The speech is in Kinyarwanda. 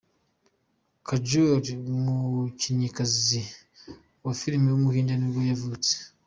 Kajol, umukinnyikazi wa filime w’umuhinde nibwo yavutse.